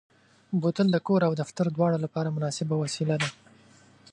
بوتل د کور او دفتر دواړو لپاره مناسبه وسیله ده.